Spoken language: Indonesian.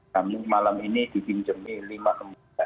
kami malam ini dibinjami lima